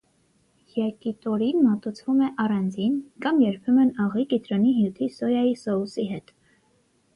Յակիտորին մատուցվում է առանձին, կամ երբեմն աղի, կիտրոնի հյութի, սոյայի սոուսի հետ։